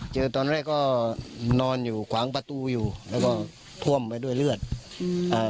เจอตอนแรกก็นอนอยู่ขวางประตูอยู่แล้วก็ท่วมไปด้วยเลือดอืมอ่า